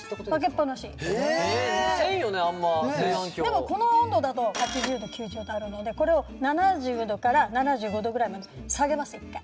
でもこの温度だと８０度９０度あるのでこれを７０度から７５度ぐらいまで下げます一回。